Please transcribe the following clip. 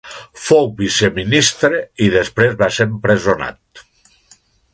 Fou viceministre i després va ser empresonat.